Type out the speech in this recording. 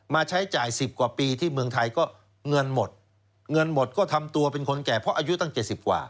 ใช้จ่าย๑๐กว่าปีที่เมืองไทยก็เงินหมดเงินหมดก็ทำตัวเป็นคนแก่เพราะอายุตั้ง๗๐กว่า